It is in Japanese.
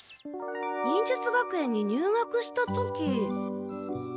忍術学園に入学した時。